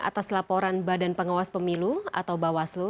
atas laporan badan pengawas pemilu atau bawaslu